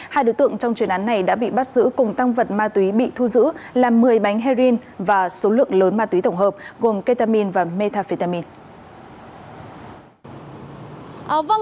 hai đối tượng trong chuyên án này đã bị bắt giữ cùng tăng vật ma túy bị thu giữ là một mươi bánh heroin và số lượng lớn ma túy tổng hợp gồm ketamin và metafetamin